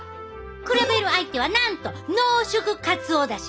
比べる相手はなんと濃縮カツオだし！